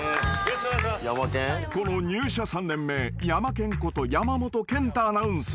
［この入社３年目ヤマケンこと山本賢太アナウンサー］